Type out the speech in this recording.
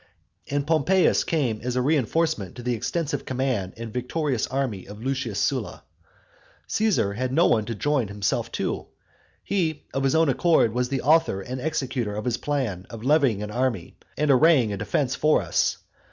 And Pompeius came as a reinforcement to the extensive command and victorious army of Lucius Sylla; Caesar had no one to join himself to. He, of his own accord, was the author and executor of his plan of levying an army, and arraying a defence for us.